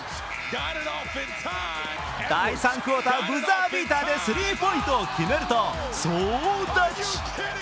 第３クオーター、ブザービーターでスリーポイントを決めると総立ち。